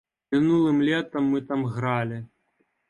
Мінулым летам мы там гралі.